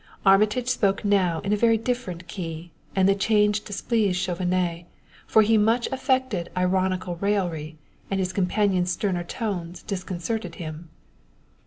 Armitage spoke now in a very different key, and the change displeased Chauvenet, for he much affected ironical raillery, and his companion's sterner tones disconcerted him.